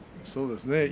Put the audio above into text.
そうですね。